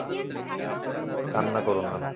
কান্না করো না।